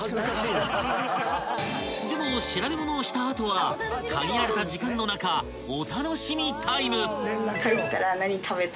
［でも調べ物をした後は限られた時間の中お楽しみタイム］